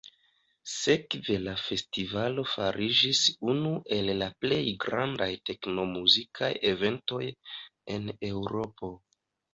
Sekve la festivalo fariĝis unu el la plej grandaj tekno-muzikaj eventoj en Eŭropo.